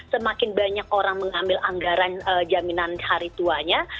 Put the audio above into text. semakin banyak orang mengambil anggaran jaminan hari tuanya